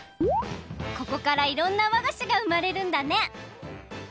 ここからいろんなわがしがうまれるんだね！